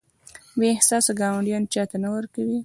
بې احساسه ګاونډیان چاته نه ورکوي.